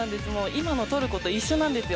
今のトルコと一緒なんですよ。